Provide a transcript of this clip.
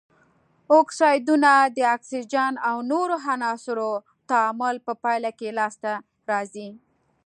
اکسایدونه د اکسیجن او نورو عناصرو تعامل په پایله کې لاس ته راځي.